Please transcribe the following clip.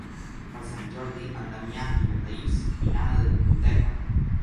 Per Sant Jordi en Damià i na Thaís iran a la biblioteca.